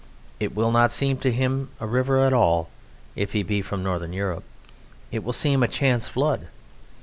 It will not seem to him a river at all (if he be from Northern Europe); it will seem a chance flood.